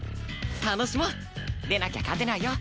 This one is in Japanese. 楽しもう！でなきゃ勝てないよ！